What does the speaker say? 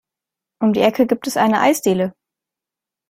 Um die Ecke gibt es eine Eisdiele.